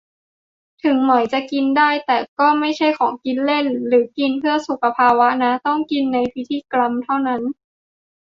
ถึงหมอยจะกินได้ แต่ก็ไม่ใช่ของกินเล่น หรือกินเพื่อสุขภาวะนะ ต้องกินในพิธีกรรมเท่านั้น